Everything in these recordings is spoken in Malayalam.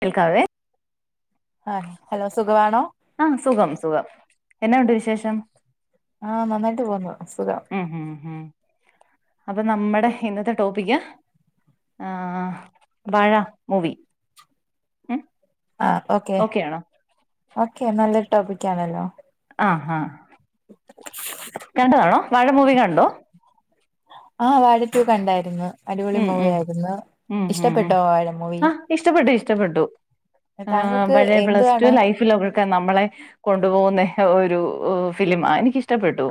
കേൾക്കാവേ ആഹ് ഹലോ സുഖവാണോ ആഹ് സുഖം സുഖം എന്ന ഉണ്ട് വിശേഷം? ആഹ് നന്നായിട്ട് പോന്നു സുഖം ഉം ഉം ഉം അപ്പൊ നമ്മുടെ ഇന്നത്തെ ടോപ്പിക്ക് ആഹ് വാഴ മൂവി ഉം ആഹ് ഓക്കെ ഓക്കെ നല്ലൊരു ടോപ്പിക്ക് ആണല്ലോ ആഹ് ആഹ് കണ്ടതാണോ വാഴമൂവി കണ്ടോ? ആഹ് വാഴ റ്റൂ കണ്ടായിരുന്നു. അടിപൊളി ഉം മൂവി ഉം ആയിരുന്നു. ഉം ഉം ഉം ഇഷ്ടപ്പെട്ടോ വഴ മൂവി? ആ ഇഷ്ടപ്പെട്ടു ഇഷ്ടപ്പെട്ടു. ആഹ് താങ്കൾക്ക് പഴയ പ്ലസ് ടു എന്തുവാണ് ലൈഫിലൊക്കൊക്കെ നമ്മളെ കൊണ്ടുപോകുന്നെ ഒരു ഊ ഫിലിംമ എനിക്കിഷ്ടപ്പെട്ടു.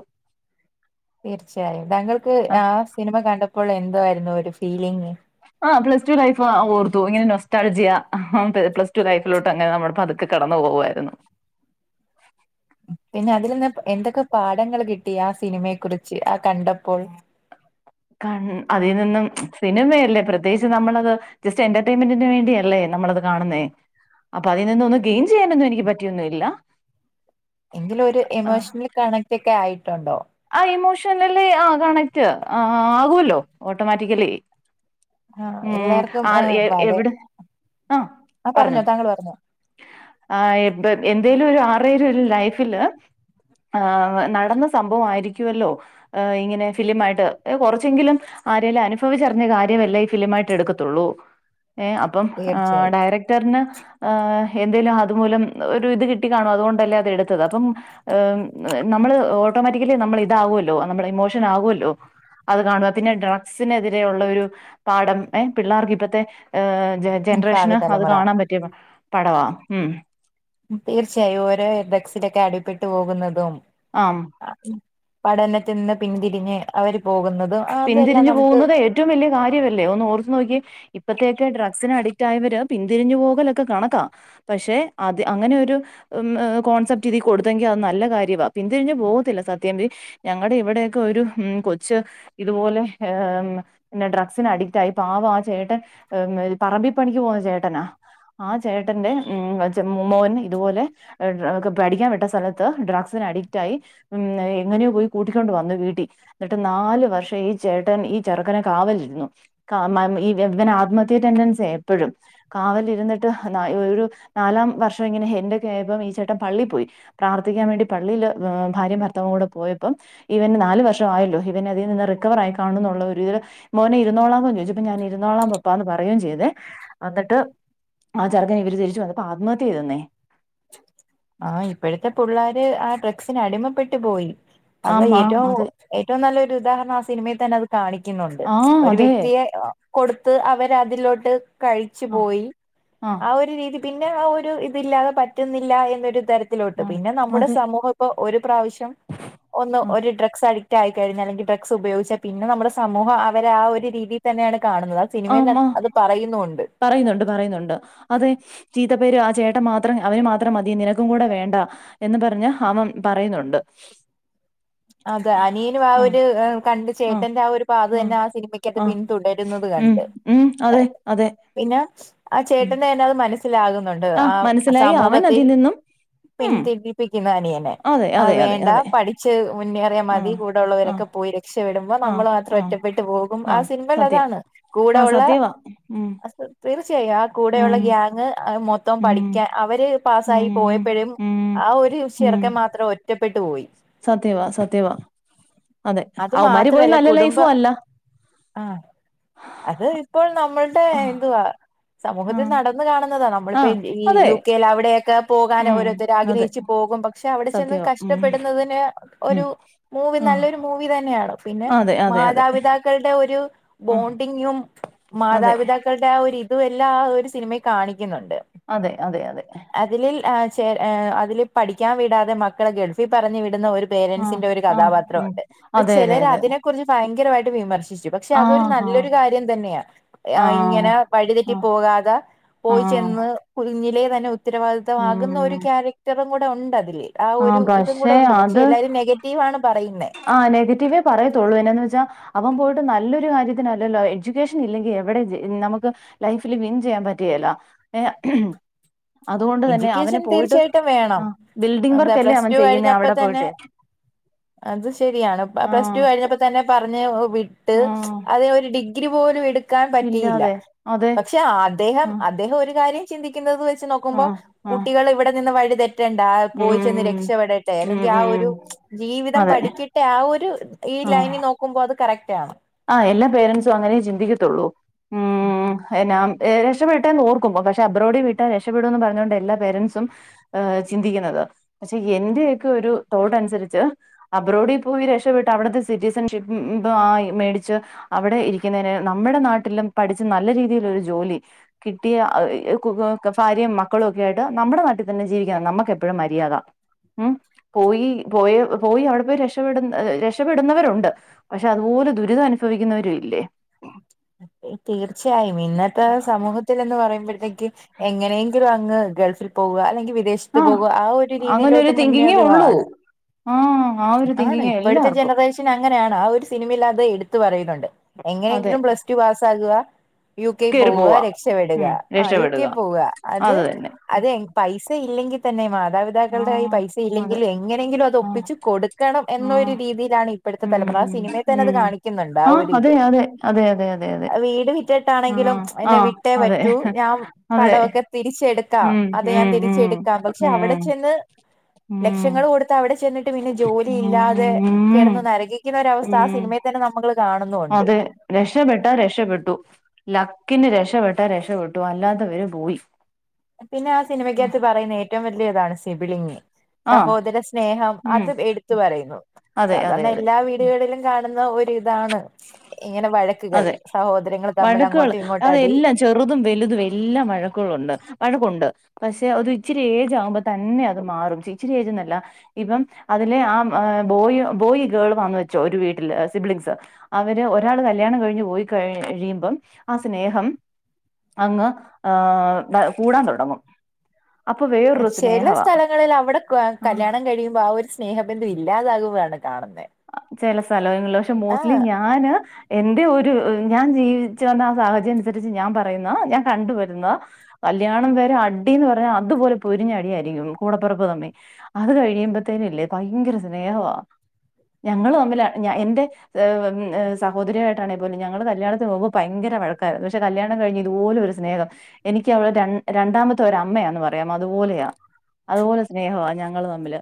തീർച്ചയായും താങ്കൾക്ക് ആഹ് സിനിമ കണ്ടപ്പോൾ എന്തോആയിര്ന്നു ഒരു ഫീലിങ് ആഹ് പ്ലസ് ടു ലൈഫ് ഓർത്തു ഇങ്ങനെ നൊസ്റ്റാൾജിയാ പ്ലസ്ടു ലൈഫിലോട്ട് അങ്ങനെ നമ്മളെ പതുക്കെ കടന്നു പോവാരുന്നു. പിന്നെ അതിൽ നിന്ന് എന്തൊക്കെ പാഠങ്ങൾ കിട്ടി ആ സിനിമയെ കുറിച്ച് ആ കണ്ടപ്പോൾ? കൺ അതിൽ നിന്നും സിനിമയല്ലേ പ്രത്യേകിച്ച് നമ്മളത് ജസ്റ്റ് എന്റെർടൈമെന്റിന് വേണ്ടിയല്ലേ നമ്മളത് കാണുന്നേ. അപ്പൊ അതിൽ നിന്ന് ഒന്ന് ഗെയിൻ ചെയ്യാനൊന്നും എനിക്ക് പറ്റിയൊന്നുംല്ല എങ്കിലും ഒരു എമോഷണൽ കണക്റ്റ് ഒക്കെ ആയി ആഹ് ഇമോഷണലി ആഹ് കണക്റ്റ് ആഹ് ആകുല്ലോ ഓട്ടോമാറ്റിക്കലി ആഹ് ഉം എല്ലാർക്കും ആഹ് ഏഹ് എ വാഴ എവിടെ ആഹ് ആ പറഞ്ഞോ താങ്കൾ പറഞ്ഞോ ആഹ് എബ്ബെ എന്തേലും ഒരു ആറേലും ഒരു ലൈഫില് ആഹ് നടന്ന സംഭവം ആരിക്കുവല്ലോ ഇങ്ങനെ ഫിലിമായിട്ട് കുറച്ചെങ്കിലും ആരെലും അനുഭവിച്ചറിഞ്ഞ കാര്യമല്ലേ ഈ ഫിലിംമായിട്ട് എടുക്കത്തുള്ളൂ ഏഹ് അപ്പം ആ തീർച്ചയായും ഡയറക്ടർന് ഏഹ് എന്തേലും അതുമൂലം ഒരു ഇത് കിട്ടി കാണും അതുകൊണ്ടല്ലേ അത് എടുത്തത്. അപ്പം ഏഹ് നമു മ്മള് ഓട്ടോമാറ്റിക്കലി നമ്മള് ഇതാവോല്ലോ. നമ്മള് ഇമോഷൻ ആകോല്ലോ അത് കാണുക. പിന്നെ ഡ്രഗ്സിനെതിരെ ഉള്ള ഒരു പാഠം ഏഹ് പിള്ളേർക്ക് ഇപ്പത്തെ ഏഹ് ജ ജനറേഷന് ഭാവി അത് തലമുറ കാണാൻ പറ്റിയ പ പടവാ ഉം തീർച്ചയായും ഓരോ ഡ്രക്സിലൊക്കെ അടിപ്പെട്ടു പോകുന്നതും ആം പഠനത്തിൽ നിന്ന് പിന്തിരിഞ്ഞ് അവര് പോകുന്നത് പിന്തിരിഞ്ഞു പോകുന്നത് ഏറ്റവും വലിയ കാര്യവല്ലേ ഒന്ന് ഓർത്ത്നോക്കിക്കെ ഇപ്പത്തേക്കെ ഡ്രഗ് ഗ്സിനഡിറ്റായവര് പിന്തിരിഞ്ഞ് പോകലൊക്കെ കണക്ക. പക്ഷെ അതി അങ്ങനെ ഒരു മ് ഏഹ് കോ കോൺസപ്റ്റ് ഇതി കൊടുത്തങ്കി അത് നല്ല കാര്യവാ. പിന്തിരിഞ്ഞ് പോവത്തില്ല സത്യം ദേ ഞങ്ങടെ ഇവിടെക്കെ ഒരു കൊ ച്ച് ഇതുപോലെ ഏഹ് പിന്നെ ഡ്രഗ്സിന് അഡിക്റ്റ് ആയി പവാ ആ ചേട്ടൻ പറമ്പിപ്പണിക്ക് പോന്ന ചേട്ടനാ ആ ചേട്ടന്റെ ഉം വാചെ മ്മോന് ഇതുപോലെ എ ഡ്ര അ ഒക്കെ പടിക്കാൻ വിട്ട സ്ഥലത്ത് ഡ്രഗ്സി ന് അഡിക്റ്റായി ഉം എങ്ങനെയോ പോയി കൂട്ടിക്കൊണ്ട് വന്നു വീട്ടി എന്നിട്ട് നാല് വർഷ പക്ഷെ ഈ ചേട്ടൻ ഈ ചെറുക്കനെ കാവലിരുന്നു ഈ ഇവനെ ആത്മഹത്യ ടെൻടൻസി എപ്പോഴും കാവലിരുന്നിട്ട് ഒരു നാലാം വർഷം ഇങ്ങനെ ഏൻഡ് ഒക്കെ ആയപ്പോ ഈ ചേട്ടൻ പള്ളി പോയി പ്രാർത്ഥിക്കാൻ വേണ്ടി പള്ളിയില് ഭാര്യ ഭർത്താവും കൂടെ പോയപ്പോം ഇവന് നാല് വർഷം ആയല്ലോ ഇവൻ അതിൽ നിന്ന് റിക്കവർ ആയി കാണുന്നുള്ളവര് മോനെ ഇരുന്നോളാമൊ ചോയ്ചപ്പൊ ഞാൻ ഇരുന്നോളാം പപ്പാന്ന് പറയുകയും ചെയ്തേ എന്നി ന്നിട്ട് ആ ചെർക്കൻ ഇവര് തിരിച്ചു വന്നപ്പ ആത്മഹത്യ ചെയ്തന്നേ ആ ഇപ്പോഴത്തെ പിള്ളാര് ആ ഡ്രക്സിന് അടിമപ്പെട്ടു പോയി അത് ആമ്മ ഏറ്റവും അതെ ഏറ്റവും നല്ലരു ഉദാഹരണം ആ സിനിമയി തന്നെ അത് കാണിക്കുന്നുണ്ട്. ആ ഒരു അതെ വ്യക്തിയെ കൊടുത്ത് അവരതിലോട്ട് കഴിച്ചു ആ പോയി ആ ഒരു രീതി പിന്നെ ആ ഒരു ഇതില്ലാതെ പറ്റുന്നില്ല എന്നൊരു തര ത്തിലോട്ട് ആ പിന്നെ നമ്മുടെ അതെ സമൂഹം ഇപ്പോ ഒരു പ്രാവശ്യം ഒന്ന് ആ ഒരു ഡ്രഗ്സ് അടി റ്റായികഴിഞ്ഞാൽ അല്ലങ്കി ഡ്രഗ്സ് ഉപയോഗിച്ചാ പിന്നെ നമ്മുടെ സമൂഹം അവരെ ആ ഒരു രീതിയിൽ തന്നെയാണ് കാണുന്നത് ആ സിനിമയിൽ ആമ്മ അത് പറയുന്നുണ്ട് പറയുന്നുണ്ട് പറയുന്നുണ്ട് അതെ ചീത്തപ്പേര് ആ ചേട്ടന് മാത്രം അവന് മാത്രം മതി നിനക്കും കൂടെ വേണ്ട എന്ന് പറഞ്ഞ അവൻ പറയുന്നുണ്ട് അതെ അനിയനും ആ ആഹ് ഒരു കണ്ടി ആഹ് ചേട്ടന്റെ ആ ഒരു പാത ആഹ് തന്നെ ആ സിനിമക്കക്കത് ആഹ് പിന്തുടരുന്നത് ഉം കണ്ട് ഉം അതെ അതെ പിന്നെ ആ ഉം ചേട്ടന് തന്നെ അത് മനസ്സിലാകുന്നുണ്ട് ആഹ് ആ മനസ്സിലായി അവൻ സമൂഹത്തിൽ അതിൽ നിന്നും ഉം പിന്തിരിപ്പിക്കുന്ന അനിയനെ അതെ ആ അതെ അതെ വേണ്ട അതെ പഠിച്ചു മുന്നേറിയ മതി ആഹ് കൂടെ ആഹ് ഉള്ളവരൊക്കെ പോയി രക്ഷപ്പെടും ആഹ് നമ്മൾ മാത്രം ആഹ് ഒറ്റപ്പെട്ട് പോകും ആ ആഹ് സിനിമൽ സത്യം അതാണ് കൂടെ ആഹ് ഉള്ള സത്യവാ ഉം തീർച്ചയായും ആ ഉം കൂടെയുള്ള ഗ്യാങ് മൊത്തം മൊത്തം ഉം പഠിക്കാൻ അവര് പാസ്സായി ഉം പോയപ്പോഴും ഉം ആ ഒരു ചെർക്കൻ മാത്രം ഒറ്റപ്പെട്ടു പോയി സത്യവ സത്യവ അതെ അത് അവൻമാരി പോയി മാത്രല്ല നല്ല കുടുംബ ലൈഫും അല്ല ആ അത് ഇപ്പോൾ നമ്മൾ ആഹ് എന്തുവാ സമൂഹത്തിൽ ആഹ് നടന്ന കാണുന്നതാണ് നമ്മളിപ്പോ ആഹ് ഈ അതെ യു കെൽ അവിടെവടോക്കെ പോകാൻ ഉം ഓരോരുത്തർ അതെ ആഗ്രഹിച്ചു പോകും പക്ഷെ അവിടെ ചെന്ന് സത്യവാ ഉം കഷ്ടപ്പെടുന്നതിന് ഉം ഒരു മൂവി ആഹ് നല്ലൊരു മൂവി തന്നെയാണ് പിന്നെ അതെ അതെ അതെ മാതാപിതാക്കളുടെ ഒരു ആഹ് ബോണ്ടിങ്ങും അതെ മാതാപിതാക്കളുടെ ആ ഒരു ഇതും എല്ലാം ആ ഒരു സിനിമയിൽ കാണിക്കും അതെ അതെ അതെ അതെ അതിലിൽ ആ അതില് പഠിക്കാൻ വിടാതെ മക്കളെ ഗൾഫിൽ പറഞ്ഞു വിടുന്ന ഒരു ആഹ് പേരൻറ്സിന്റെ ഒരു ആഹ് കഥാപാത്രം ഉം ഉണ്ട് അപ്പൊ അതെ അതെ ചിലര് അതെ അതിനെ കുറിച്ച് ഭയങ്കരമായിട്ട് വിമർശിച്ചു പക്ഷെ ആഹ് അതൊരു ആഹ് നല്ലൊരു കാര്യം തന്നെയാ ഇങ്ങനെ ആഹ് വഴിതെറ്റി ആഹ് പോകാതെ പോയി ആഹ് ചെന്ന് കുഞ്ഞിലെ തന്നെ ഉത്തരവാദിത്തമാകുന്ന ഒരു ഉം ക്യാരക്ടറും കൂടെ ഉണ്ടത് ആ ഒരു ആഹ് ഇതും കൂടെ പക്ഷെ ഉണ്ട് പക്ഷെ അത് എല്ലാവരും നെഗറ്റീവ് ആണ് പറയുന്നത് ആഹ് നെഗറ്റീവേ പറയത്തൊള്ളൂ എന്നാന്ന് വെച്ചാ അവൻ പോ നല്ലൊരു കാര്യത്തിനല്ലല്ലോ എഡ്യൂക്കേഷൻ ഇല്ലെങ്കിൽ എവിടെ നമുക്ക് ലൈഫിൽ വിൻ ചെയ്യാൻ പറ്റ്കേല്ല ഏ അതുകൊണ്ട് തന്നെ അവൻ എഡ്യൂക്കേഷൻ പോയിട്ട് തീർച്ചയായിട്ടും ആ വേണം ബിൽഡിങ് എന്താ വർക്ക് അല്ലേ പ്ലസ് അവൻ ടു ചെയ്യുന്നേ കഴിഞ്ഞപ്പോ അവിടെ തന്നെ പോയിട്ട് ഉ അത് ശരിയാണ് പ്ലസ്ടു കഴിഞ്ഞപ്പോ തന്നെ പറഞ്ഞ് വിട്ട് ആഹ് അത് ഒരു ഡിഗ്രി പോലും എടു എടുക്കാൻ പറ്റിയില്ല ഇല്ലാതെ അതെ പക്ഷെ അദ്ദേഹം ആഹ് അദ്ദേഹം ഒരു കാര്യം ചിന്തിക്കുന്നത് വെച്ച് നോക്കുമ്പോ ആഹ് ആഹ് കുട്ടികൾ ഇവിടെ നിന്ന് വഴിതെറ്റ തെറ്റണ്ട ആ ഉം പോയി ചെന്ന് രക്ഷപ്പെടട്ടെ ഉം അല്ലെങ്കിൽ ഉം ആ ഒരു ഉം ജീവിതം അതെ പഠിക്കട്ടെ ആ ഒരു ഈ ലൈനിൽ നോക്കുമ്പോൾ അത് കറക്റ്റ് ആണ് ആ എല്ലാ പേരൻറ്സും അങ്ങനേ ചിന്തിക്കത്തുള്ളൂ അ ഉം എന്നാ രക്ഷപ്പെടെട്ടെന്ന് ഓർക്കും പക്ഷെ അബ്രോഡി വീട്ടാൽ രക്ഷപ്പെടുന്ന് പറഞ്ഞുകൊണ്ട് എല്ലാ പേരൻറ്സും ചിന്തിക്കുന്നത് പക്ഷെ എന്റെയൊക്കെ ഒരു തോട്ടനുസരിച്ച് അബ്രോഡിൽ പോയി രക്ഷപ്പെട്ട് അവിടുത്തെ സിറ്റിഷൻഷിപ്പും എന്തോ ആയി മേടിച്ച് അവിടെ ഇരിക്കുന്നതിന് നമ്മുടെ നാട്ടിലും പഠിച്ച് നല്ല രീതിൽ ഒരു ജോലി കിട്ടിയ അത് ഈ കുക്ക്ക്‌ ഭാര്യയും മക്കളും ഒക്കെ ആയിട്ട് നമ്മുടെ നാട്ടിൽ തന്നെ ജീവിക്കുന്നതാ നമുക്കെപ്പോഴും മര്യാദ ഉം പോയി പോയി പോയി അവിടെ പോയി രക്ഷപെടുന്ന രക്ഷപെടുന്നവരുണ്ട് പക്ഷെ അതുപോലെ ദുരി ദുരിതം അനുഭവിക്കുന്നവരും ഇല്ലേ തീർച്ചയായും ഇന്നത്തെ സമൂഹത്തിന്ന് പറ യ്മ്പഴത്തേക്ക് എങ്ങനെങ്കിലും അങ്ങ് ഗൾഫിൽ പോകുക അല്ലെങ്കി വിദേശത്ത് ആഹ് പോവുക ആ ഒരു അങ്ങനെ ഒരു രീതിയിലോട്ട് തിങ്കിങ്ങേ ഉള്ളൂ മുന്നേറിവാണ് ആഹ് ആ ഒരു ആണ് തിങ്കിങ്ങേ ഇപ്പോഴത്തെ എല്ലാർക്കും ജനറേഷൻ അങ്ങ നെയാണ് ആ ഒരു സിനിമയിൽ അത് എടുത്തു പറയുന്നുണ്ട് അതെ എങ്ങനെയെങ്കിലും പ്ലസ്ടു പാസ്സാകുക യു കെ കേറി പോവുക പോവാ രക്ഷപ്പെടുക ഉം ആ യു രക്ഷപ്പെടുക കെ പോവ്ക അത് അത് എങ് പൈസ പൈസ ഇല്ലെങ്കി തന്നെ മാതാപിതാക്കളുടെ കയ്യിൽ ആഹ് പൈസ ഇല്ലെങ്കിൽ അതെ എങ്ങനെങ്കിലും അത് ആഹ് ഒപ്പിച്ചു കൊടുക്കണം എന്നൊരു ആഹ് രീതിയിലാണ് ഇപ്പോഴത്തെ ഉം തലമുറ ആ സിനിമേ തന്നെ അത് ഉം കാണിക്കുന്നുണ്ട് ആ ആഹ് ഒരു അതെ ഇത് അതെ അതെ അതെ അതെ അതെ വീട് വിറ്റിട്ടാണെങ്കിലും ആഹ് എന്നെ ആഹ് വിട്ടേ അതെ പറ്റൂ ഞാൻ അതെ കടമൊക്കെ തിരിച്ചെടു ക്കാം ഉം അത് ഞാൻ ഉം ഉം തിരിച്ചെടുക്കാം പക്ഷെ അവിടെ ഉം ചെന്ന് ഉം ലക്ഷങ്ങൾ കൊടുത്ത് അവിടേ ട്ട് പിന്നെ ജോലി ഉം ഇല്ലാതെ ഉം കിടന്ന് നരകിക്കുന്ന ഒരവസ്ഥ ആ ഉം സിനിമേ തന്നെ നമ്മള് കാണുന്നുണ്ട് അതെ രക്ഷപെട്ട രക്ഷപെട്ടു ലക് ക്കിന് രക്ഷപെട്ട രക്ഷപെട്ടു അല്ലാത്തവര് പോയി പിന്നെ ആ സിനിമയ്ക്കകത്ത് പറയുന്ന ഏറ്റവും വലിയ ഇതാണ് സിബിളിങ്ങ് ആഹ് സഹോദര സ്നേഹം ഉം അതും എടുത്തു പറയുന്നു അതെ അതെ സാധാരണ അതെ എല്ലാ വീടുകളിലും കാണ് ന്ന ഒരിതാണ് അതെ വഴക്കുകൾ അങ്ങോട്ടും ഇങ്ങോട്ടും അടി അതെല്ലാം ചെറുതും വലുതും എല്ലാം വഴക്കുകളുണ്ട് വഴക്കുണ്ട് പക്ഷെ ഒര് ഇച്ചിരി ഏജ് ആകുമ്പോ തന്നെ അത് മാറും ഇച്ചിരി ഏജ്ന്നല്ല ഇപ്പം അത് അതില് ആ ഏ ബോയ് ബോയ് ഗേൾ വന്ന വച്ചോ ഒരു വീട്ടില് സിബിളിഗ്സ് അവര് ഒരാള് കൽ കല്യാണം കഴിഞ്ഞ് പോയി കഴിയുമ്പം ആ സ്നേഹം അങ്ങ് ആ കൂടാൻ തുടങ്ങും അപ്പൊ വേറൊരു ചെല സ്നേഹവാ സ്ഥലങ്ങളില് അവിടെ ആഹ് കല്യാണം കഴിയുമ്പോ ആ ഒരു സ്നേഹബന്ധം ഇല്ലാതാകുവാണ് ചില സ്ഥലങ്ങള പക്ഷെ ആഹ് മോസ്റ്റ്ലി ഞാന് എന്റെ ഒരു ഞാൻ ജീവിച്ചു വന്ന ആ സാഹചര്യം അനുസരിച്ച് ഞാൻ പറയുന്നു ഞാൻ കണ്ടുവരുന്ന കല്യാണം വരെ അടിന്ന് പറഞ്ഞൽ അതുപോലെ പൊരിഞ്ഞടിയായിരിക്കും കൂടപ്പറപ്പ് തമ്മി അത് കഴിയുമ്പത്തേന് ല്ലേ ഭയങ്കര സ്നേഹവാ ഞങ്ങള് തമ്മില് ഞാ എന്റെ ഏ സഹോദരിയായിട്ടാണേ പോലും ഞങ്ങള് കല്യാണത്തിന് പോകുമ്പ ഭയങ്കര വ ഴ ക്കാര്ന്ന് പക്ഷെ കല്യാണം കഴിഞ് ഇതുപോലെ ഒരു സ്നേഹം എനിക്ക് അവള് രൺ രണ്ടാമത്തെ ഒരമ്മയാന്ന് പറയാം അതുപോ അതുപോലെയാ അതുപോലെ സ്നേഹവാ ഞങ്ങള് തമ്മില്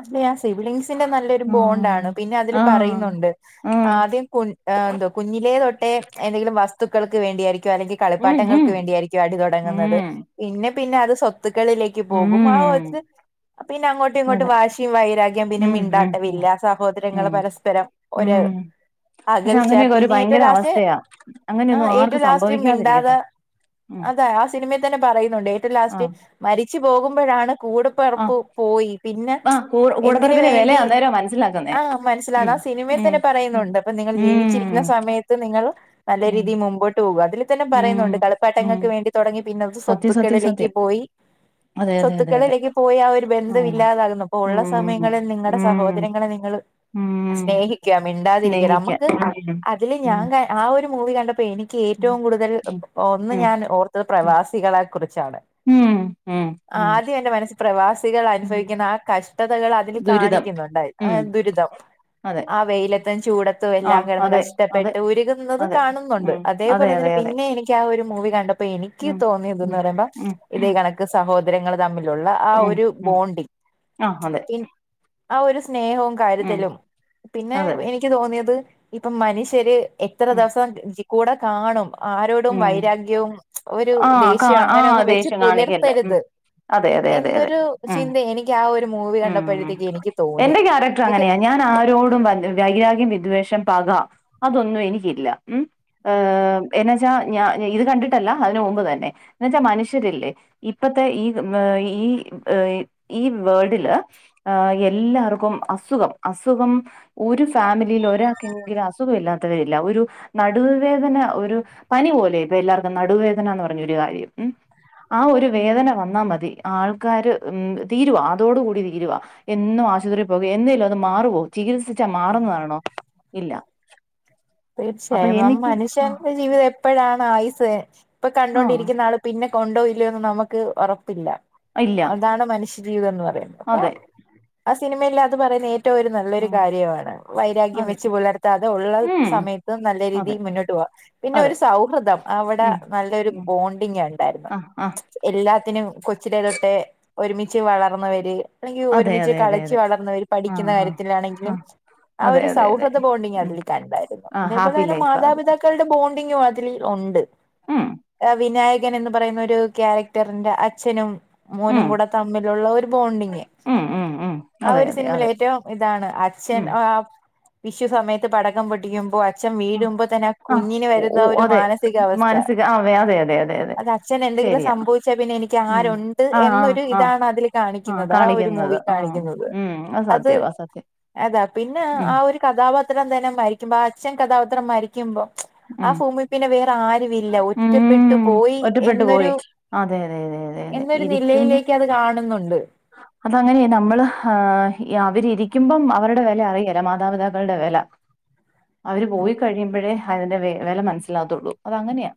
അല്ല ആ സിവിളീംഗ്സിന്റെ നല്ലൊരു രു ആഹ് ബോണ്ടാണ് പിന്നെ അതില് ആഹ് പറയുന്നുണ്ട് ആഹ് ആദ്യം കുഞ് എ എന്തുവ കുഞ്ഞിലെ തൊട്ടെ എന്തെങ്കിലും വസ്തുക്കൾക്ക് വേണ്ടിയായിരിക്കും അല്ലെങ്കിൽ ഉം ഉം കളിപ്പാട്ടങ്ങൾക്ക് വേണ്ടിയായിരിക്കും അടി തുടങ്ങുന്നത് ഉം പിന്നെ പിന്നെ അത് സ്വപ് സ്വത്തുക്കളിലേക്ക് പോകും ആ ഉം ഒരു പിന്നെ അങ്ങോ ഇങ്ങോട്ട് അതെ വാശിയും വൈരാഗ്യം പിന്നെ ഉം ഉം ഉം മിണ്ടാട്ടവില്ല ഉം സഹോദരങ്ങള് പരസ്പരം ഒര് ഉം പക്ഷെ അകൽച്ച അങ്ങനെയൊക്കെ ഒരു പിന്നെ ഏറ്റവും ഭയങ്കര ലാസ്റ്റ് അവസ്ഥയാ ആ അങ്ങനെയൊന്നും ആർക്കും ഏറ്റവും ലാസ്റ്റ് മിണ്ടാത സംഭവിക്കാതിരിക്കട്ടെ ഉം അതാ ആ സിനിമേ തന്നെ പറയുന്നുണ്ട് ഏറ്റോം ലാസ്റ്റ് ആഹ് മരിച്ച് പോകുമ്പോഴാണ് ആഹ് കൂട്പ്പറപ്പ് പോയി പിന്നെ ആഹ് കൂ എന്തിന് കൂടപ്പറപ്പിന്റെ വില വേണ്ടി അന്നേരാ മനസ്സിലാക്കുന്നേ ആ മനസ്സിലാണ് ഉം ആ സിനിമയിൽ ഉം തന്നെ ഉം പറയുന്നുണ്ട് അപ്പ ങ്ങള് ജീവിച്ചിരിക്കുന്ന ഉം സമയത്ത് നിങ്ങൾ നല്ല ഉം രീതിയിൽ മുമ്പോട്ട് പോകുക അതിൽ തന്നെ ഉം പറയുന്നുണ്ട് ഉം കളിപ്പാട്ടങ്ങൾക്ക് വേണ്ടി തുടങ്ങി പിന്നത് സത്യം സത്യം സ്വത്തുക്കളിലേക്ക് സത്യം പോയി അതെ അതെ അതെ അതെ സ്വത്തുക്കളിലേക്ക് പോയി ആ ഒരു ബന്ധവി ആഹ് ഇല്ലാതാകുന്നു അപ്പൊ ഉള്ള ഉം സമയങ്ങളിൽ നിങ്ങളുടെ ഉം സഹോദരങ്ങളെ നിങ്ങള് ഉം സ്നേഹിക്കാം മിണ്ടാതിരിക്കുക സ്നേഹിക്കാൻ നമുക്ക് അതില് ഉം ഞാൻ കൺ ആ ഒരു മൂവി കണ്ടപ്പോ അപ്പ എനിക്ക് ഉം ഏറ്റവും കൂടുതൽ ഉം ഒന്ന് ഉം ഞാൻ ഓർത്തത് പ്രവാസികളാ ച്ചാണ് ഉം ഉം ഉം ആദ്യം എന്റെ മനസ്സിൽ പ്രവാസികൾ ഉം അനുഫവിക്കുന്ന ആ കഷ് വക്തകൾ അതിൽ ദുരിതം കാണിക്കുന്നുണ്ട് ആ ഉം ദുരിതം അതെ ആ വെയിലത്തും ചൂടത്തു ത്തും എല്ലാം ആഹ് കിടന്ന് അതെ അതെ കഷ്ടപ്പെട്ട് ഉരുകുന്നത് അതെ കാണുന്നുണ്ട് ഉം അതെ അതേപോലെ തന്നെ അതെ അതെ പിന്നേം എനിക്ക് ആ ഒരു മൂവി കണ്ട അപ്പൊ എനിക്ക് ഉം തോന്നിയതെന്നു ഉം പറയുമ്പോ ഉം ഇതേ കണക്ക് സഹോദരങ്ങൾ തമ്മിലുള്ള ആ ഒരു ബോണ്ടിങ് ആ അതെ പി ആ ഒരു സ്നേഹവും ഉം കാരുതലും പിന്നെ അതെ എനിക്ക് തോന്നിയത് ഇപ്പം മനുഷ്യര് എത്ര ഉം ദിവസം കൂടെ കാണും ആരോടും ഉം വൈരാഗ്യവും ഒരു ആഹ് കാ ദേഷ്യവും അങ്ങനെ ആഹ് ഒന്നും വെച്ച് ദേഷ്യം കാണിക്കല്ല ഉം പുലർത്തരുത് അതെ അതെ അതെ അതെ എന്നൊരു ഉം ചിന്ത എനിക്ക് ആ ഒരു മൂവി ഉം കണ്ടപ്പോഴത്തേക്ക് എനിക്ക് തോന്നി എന്റെ ക്യാരക്ടർ എനിക്ക് അങ്ങനെയാ ഞാൻ ആരോടും [unintelligible] വൈരാഗ്യം വിദ്വേഷം പക അതൊന്നും എനിക്കില്ല മം എഹ് എനെ ഞാ ഞാൻ ഇത് കണ്ടിട്ടല്ല അതിന് മുമ്പ് തന്നെ എന്നു വെച്ചാൽ മനുഷ്യരില്ലേ ഇപ്പത്തെ ഈ ഈ ഈ വേൾഡില് എല്ലാവർക്കും അസുഖം അസുഖം ഒരു ഫാമിലിയിൽ ഒരാൾക്കെങ്കിലും അസുഖ ഇല്ലാത്തവരില്ല ഒരു നടുവവേദന ഒരു പനി പോലെ ഇപ്പൊ എല്ലാവർക്കും നടുവേദന എന്ന് പറഞ്ഞൊരു കാര്യം ഉം ആ ഒരു വേദന വന്നാ മതി ആൾക്കാര് ഉം തീരുവാ അതോടുകൂടി തീരുവാ എന്നും ആശുപത്രിയിൽ പോവുമ്പോ എന്തേലോന്ന് മാറുവോ ചികിത്സിച്ചാ മാറുന്നതാണോ ഇല്ല അപ്പൊ തീർച്ചയായും നാം എനിക്ക് ആ മനുഷ്യന്റെ ജീവിതം എപ്പ ഇപ്പോഴാണ് ആയുസ് ഇപ്പൊ ആ കണ്ടൊണ്ടിരിക്കുന്ന ആള് പിന്നെ കൊണ്ടോയില്ലെയെന്ന് നമുക്ക് ഉറപ്പില്ല ഇല്ല അതാണ് മനുഷ്യജീവീതം എന്ന് പറഞ്ഞ അതെ സിനിമയിൽ അത് പറയുന്ന ഏറ്റവും ഒരു നല്ലൊരു ഉം കാര്യമാണ് വൈരാഗ്യം അതെ വെച്ച് പുലർത്താതെ ഉള്ളത് ഉം സമയത്ത് നല്ല അതെ രീതിയിൽ മുന്നോട്ട് പോകാം പിന്നെ അതെ ഒരു സൗഹൃദം അവിടെ ഉം നല്ലൊരു ഉം ബോണ്ടിങ് ആണ് ണ്ടായിരുന്നു ആ ആ എല്ലാത്തിനും കൊചില്ലേതോട്ടെ ഒരുമിച്ച് വളർന്നവര് അല്ലെങ്കിൽ അതെ ഒരുമിച്ച് അതെ അതെ കളിച്ച് അതെ വളർന്നത് ആ പഠിക്കുന്ന ആ ആ കാര്യത്തിലാണെങ്കിലും ആ അതെ ഒരു അതെ അതെ സൗഹൃദ ബോണ്ടിങ് ഉം അതിലേ കണ്ടായിരുന്നു ആ അതേപോലെ ഹാപ്പി തന്നെ ലൈഫാ അത് മാതാപിതാക്കളുടെ ബോണ്ട് [unintelligible] ഒണ്ട് ഉം ഏ വിനായക കൻഎന്ന് പറയുന്ന ഒരു ക്യാരക്ടറിന്റെ അച്ഛനും മോനും ഉം കൂടെ തമ്മിലുള്ള ഒരു ബോണ്ടിങ് ഉം ഉം ഉം ആ അതെ ഒരു അതെ സിനിമൽ അതെ ഏറ്റവും ഇതാണ് അച്ഛൻ ഉം ആ വിഷു സമയത്ത് പടക്കം പൊട്ടിക്കുമ്പോൾ അച്ച് അച്ഛൻ ആ വീഴുമ്പോ തന്നെ ആ കുഞ്ഞിന് ഓ വരുന്ന ഓ ഒരു അതെ മാനസികാവസ്ഥ മാനസിക ആ അതെ അതെ അതെ അതെ അതെ അത് അച്ഛനെ എന്തെങ്കിലും ശരിയാ സംഭവിച്ചാൽ പിന്നെ എനിക്ക് ഉം ആരുണ്ട് ആ ആ എന്നൊരു ആ ഇതാണ് അതിൽ കാണിക്കുന്നത് ആ ഒരു കാണിക്കുന്നത് മൂവി ആ കാണിക്കുന്നത് ഉം അത് സത്യവാ സത്യം അതാ പിന്നെ ആ ഒരു കഥാപാത്രം തന്നെ മരിക്കുമ്പോ ആ അച്ഛൻ കഥാപാത്രം മരിക്കുമ്പോ ആ ഉം ഭൂമി പിന്നെ വേറെ ആരുവില്ല ഒറ്റപ്പെട്ടു ഉം പോയി ഒറ്റപ്പെട്ടു എന്നൊരു പോയി അതെ അതെ അതെ അതെ എന്നൊരു നിലയിലേക്ക് അത് കാണുന്നുണ്ട് അതങ്ങനെയ നമ്മള് ഹാ അവരിരിക്കുമ്പം അവരുടെ വില അറയില്ല മാതാപിതാക്കളുടെ വില അവര് പോയി കഴിയുമ്പോഴേ അതിന്റെ വെ വെല മനസ്സിലാവത്തുള്ളൂ അത് അങ്ങനെയാ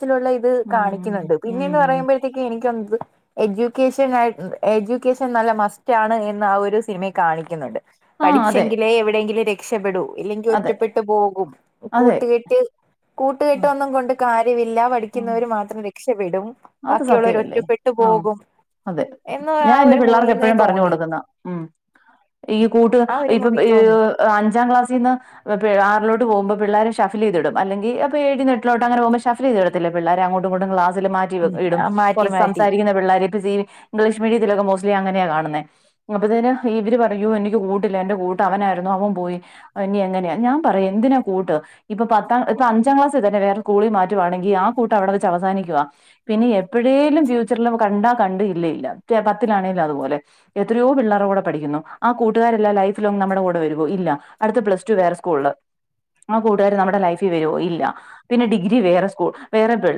രത്തിലുള്ള ഇത് ഉം കാണിക്കുന്നുണ്ട് പിന്നെയന്ന് ഉം പറയുമ്പോഴത്തേക്കും എനിക്കൊ എജൂക്കേഷൻ ആ എജൂക്കേഷൻ നല്ല മസ്റ്റ് ആണ് എന്ന് ആ ഒരു സിനിമയെ കാണിക്കുന്നുണ്ട് ആ അതെ പഠിച്ചെങ്കിലേ എവിടെയെങ്കിലും രക്ഷപ്പെടൂ ഇല്ലെങ്കിൽ അതെ ഒറ്റപ്പെട്ടു പോകും അതെ കൂട്ടുകെട്ട് ആ, കൂട്ടുകെട്ടൊന്നും കൊണ്ട് കാര്യമില്ല ആ. പഠിക്കുന്നവര് മാത്രം രക്ഷപ്പെടും അത് ബാക്കിയുള്ളവർ സത്യമല്ലേ ഒറ്റപ്പെട്ടു ആ പോകും അതെ എന്ന് ഞാൻ ആ എന്റെ ഒരു പിള്ളാർക്ക് മൂവിന്നേ എപ്പോഴും പറഞ്ഞു തോന്നി കൊടുക്കുന്ന ഉം ഈ കൂട്ട് ആ ഒരു ഇപ്പം മൂവി തോന്നി ഏഹ് അഞ്ചാം ക്ലാസ്സീന്ന് പ്പെ ആറിലോട്ട് പോകുമ്പോ പിള്ളേരെ ശഫല് ചെയ്തിടും അല്ലെങ്കി അപ്പൊഏഴീന്ന്എട്ടിലോട്ട് അങ്ങനെ പോകുമ്പോ ശഫല് ചെയ്തിടത്തില്ലേ പിള്ളേരെ അങ്ങോട്ടും ഇങ്ങോട്ടും ക്ലാസിൽ മാറ്റി ഉം ഇടും ആ മാറ്റി കുറച്ച് മാറ്റി സംസാരിക്കുന്ന പിള്ളേരെം [unintelligible] ഇംഗ്ലീഷ് മീഡിയത്തിലക്കെ മോസ്റ്റ്ലി അങ്ങനെയാ കാണുന്നേ അപ്പൊത്തേന് ഇവര് പറയൂ എനിക്ക് കൂട്ടില്ല എന്റെ കൂ ട്ടാഅവനായിരുന്നു അവൻ പോയി ഇനി എങ്ങനെയ ഞാൻ പറയും എന്തിനാ കൂട്ട് ഇപ്പ പത്താം ഇപ്പൊ അഞ്ചാം ക്ലാസ് വേറെ സ്കൂളി മാറ്റുവാണെങ്കി ആ കൂട്ട് അവിടെ വെച്ച് അവസാനിക്കുവാ പിന്നെ എപ്പോഴേലും ഫ്യൂച്ചറില് കണ്ടാ കണ്ട് ഇല്ലേ ഇല്ല ചെ പത്തിലാണേലും അതുപോലെ എത്രയോ പിള്ളാറെ കൂടെ പഠിക്കുന്നു ആ കൂട്ടുകാരെല്ലാം ലൈഫ് ലോങ്ങ്‌ നമ്മടെ കൂടെ വരുവോ ഇല്ല അടുത്ത പ്ലസ്ടു വേറെ സ്കൂൾല്. ആ കൂട്ടുകാരും നമ്മടെ ലൈഫിൽ വരുവോ ഇല്ല പിന്നെ ഡിഗ്രി വേറെ സ്കൂൾ വേറെ ബെ